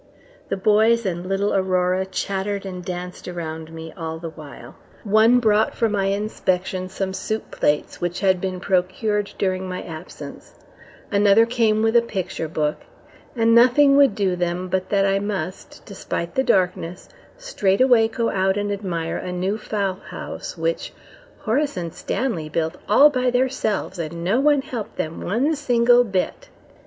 The boys and little Aurora chattered and danced around me all the while. One brought for my inspection some soup plates which had been procured during my absence; another came with a picture book; and nothing would do them but that I must, despite the darkness, straightaway go out and admire a new fowl house which "Horace and Stanley built all by theirselves, and no one helped them one single bit."